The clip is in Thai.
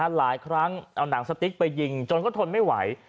หลายครั้งเอาหนังสติ๊กไปยิงจนก็ทนไม่ไหว